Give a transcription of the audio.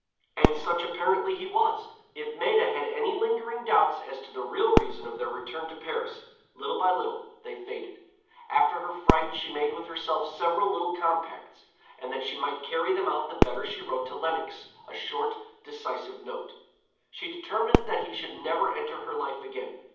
And such apparently he was. If Maida had any lingering doubts as to the real reason of their return to Paris, little by little they faded. After her fright she made with herself several little compacts, and that she might carry them out the better she wrote to Lenox a short, decisive note. She determined that he should never enter her life again.